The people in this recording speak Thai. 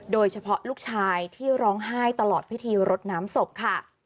โดยเฉพาะลูกชายที่ร้องไห้ตลอดพิธีรดน้ำศพค่ะ